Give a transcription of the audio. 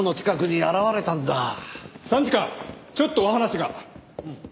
参事官ちょっとお話が。